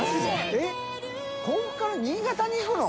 えっ甲府から新潟に行くの？